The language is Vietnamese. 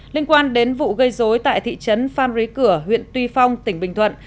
liên quan đến vụ gây dối tại thị trấn phan rí cửa huyện tuy phong tỉnh bình thuận